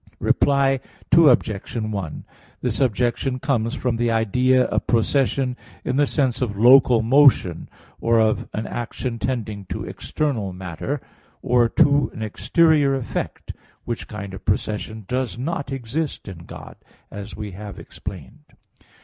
Reply Obj. 1: This objection comes from the idea of procession in the sense of local motion, or of an action tending to external matter, or to an exterior effect; which kind of procession does not exist in God, as we have explained.